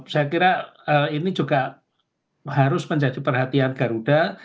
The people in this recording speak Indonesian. saya kira ini juga harus menjadi perhatian garuda